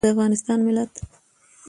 د افغانستان ملت